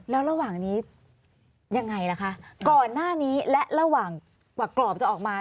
แล้วระหว่างนี้ยังไงล่ะคะก่อนหน้านี้และระหว่างกว่ากรอบจะออกมา